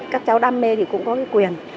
các cháu đam mê thì cũng có cái quyền